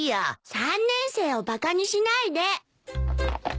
３年生をバカにしないで。